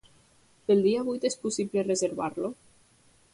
Pel dia vuit és possible reservar-lo?